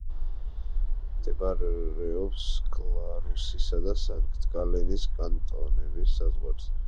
მდებარეობს გლარუსისა და სანქტ-გალენის კანტონების საზღვარზე.